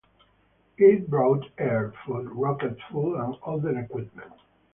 It brought air, food, rocket fuel and other equipment.